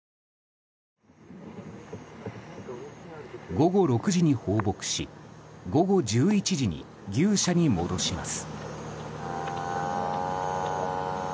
午後６時に放牧し午後１１時に牛舎に戻します。